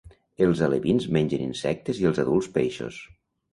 Els alevins mengen insectes i els adults peixos.